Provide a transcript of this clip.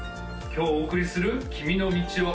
今日お送りする「君の道を」